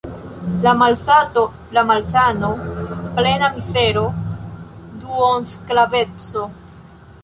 La malsato, la malsano, plena mizero, duonsklaveco.